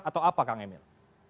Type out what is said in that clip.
atau apa kang emil